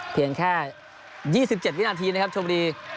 เพียงแค่๒๗วินาทีนะครับชมบุรี